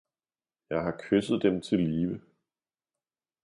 Jeg har kysset dem til live!